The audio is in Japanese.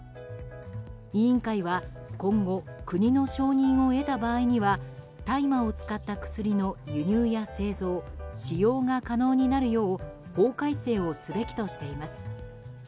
委員会は今後国の承認を得た場合には大麻を使った薬の輸入や製造使用が可能になるよう法改正をすべきとしています。